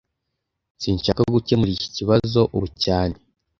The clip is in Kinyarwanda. Sinshaka gukemura iki kibazo ubu cyane